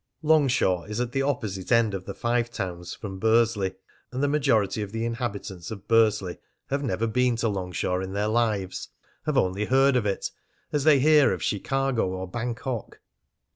Longshaw is at the opposite end of the Five Towns from Bursley, and the majority of the inhabitants of Bursley have never been to Longshaw in their lives, have only heard of it, as they hear of Chicago or Bangkok.